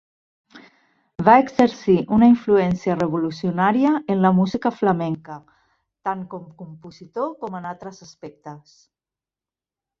Va exercir una influència revolucionària en la música flamenca, tant com compositor com en altres aspectes.